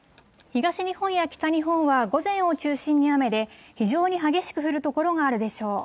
東日本や北日本は午前を中心に雨で非常に激しく降る所があるでしょう。